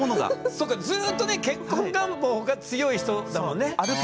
そっかずっとね結婚願望が強い人だもんね。